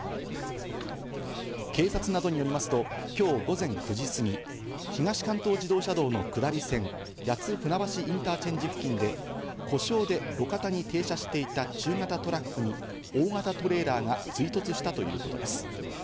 警察などによりますと、きょう午前９時過ぎ、東関東自動車道の下り線、谷津船橋インターチェンジ付近で故障で路肩に停車していた中型トラックに大型トレーラーが追突したということです。